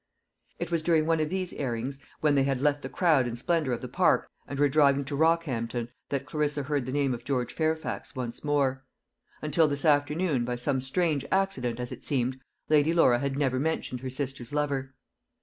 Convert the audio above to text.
It was during one of these airings, when they had left the crowd and splendour of the Park, and were driving to Roehampton, that Clarissa heard the name of George Fairfax once more. Until this afternoon, by some strange accident as it seemed, Lady Laura had never mentioned her sister's lover.